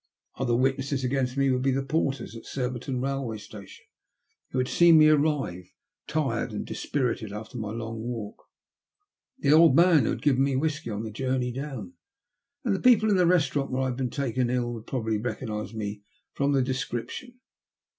Other witnesses against me would be the porters at Surbiton railway station, who had seen me arrive, tired and dispirited, after my long walk ; the old man who had given me whiskey on the journey down; and the people in the restaurant where I had been taken ill would probably recognise me from the description.